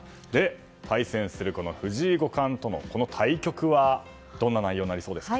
対戦する藤井五冠とのこの対局はどんな内容になりそうですか。